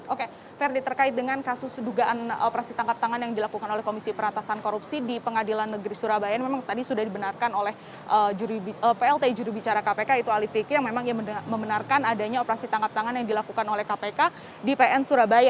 oke ferdi terkait dengan kasus dugaan operasi tangkap tangan yang dilakukan oleh komisi peratasan korupsi di pengadilan negeri surabaya memang tadi sudah dibenarkan oleh plt jurubicara kpk itu alif fikri yang memang membenarkan adanya operasi tangkap tangan yang dilakukan oleh kpk di pn surabaya